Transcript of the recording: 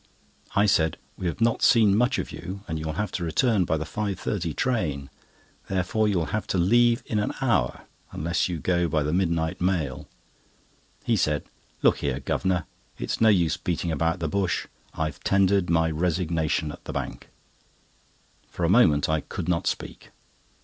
I said: "We have not seen much of you, and you will have to return by the 5.30 train; therefore you will have to leave in an hour, unless you go by the midnight mail." He said: "Look here, Guv'nor, it's no use beating about the bush. I've tendered my resignation at the Bank." For a moment I could not speak.